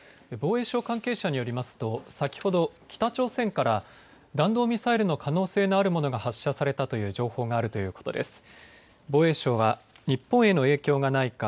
防衛省関係者によりますと、先ほど北朝鮮から弾道ミサイルの可能性があるものが発射されたという情報があるということです。